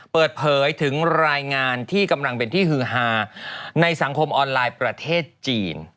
เปิดเผยถึงรายงานที่กำลังเป็นที่ฮือฮาในสังคมออนไลน์ประเทศจีน